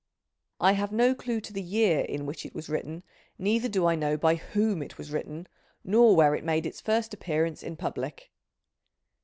I have no clue to the year in which it was written, neither do I know by whom i t was written, nor where it made its first appearance in public.